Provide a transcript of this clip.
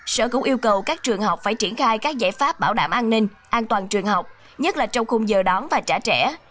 sở cũng yêu cầu các trường học phải triển khai các giải pháp bảo đảm an ninh an toàn trường học nhất là trong khung giờ đón và trả trẻ